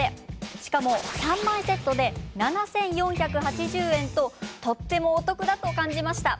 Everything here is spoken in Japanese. しかも３枚セットで７４８０円ととってもお得だと感じました。